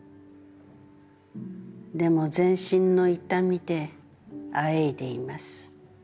でも、全身の痛みであえいでいます。